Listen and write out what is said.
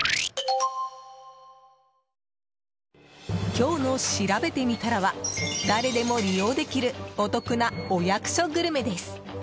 今日のしらべてみたらは誰でも利用できるお得なお役所グルメです。